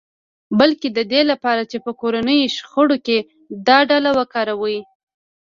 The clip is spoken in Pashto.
بلکې د دې لپاره چې په کورنیو شخړو کې دا ډله وکاروي